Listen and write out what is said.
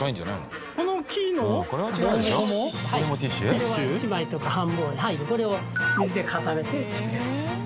これは１枚とか半分をこれを水で固めて作ってます。